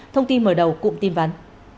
thông tin mở đầu cùng tin ván